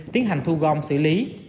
tiến hành thu gom xử lý